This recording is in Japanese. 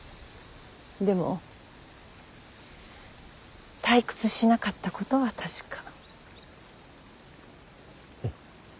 でも退屈しなかったことは確か。